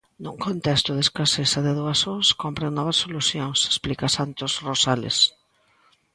Nun contexto de escaseza de doazóns cómpren novas solucións, explica Santos Rosales.